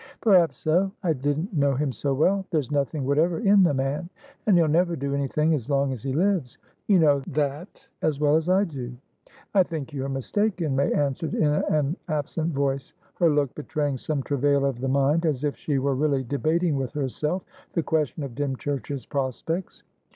"Perhaps so. I didn't know him so well. There's nothing whatever in the man, and he'll never do anything as long as he lives. You know that as well as I do." "I think you are mistaken," May answered, in an absent voice, her look betraying some travail of the mind, as if she were really debating with herself the question of Dymchurch's prospects.